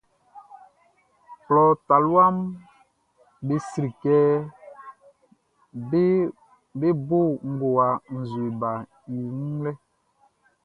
Klɔ taluaʼm be sri kɛ bé bó ngowa nzue baʼn i wun lɛʼn.